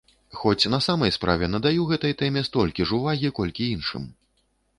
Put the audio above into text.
Хоць, на самай справе, надаю гэтай тэме столькі ж увагі, колькі іншым.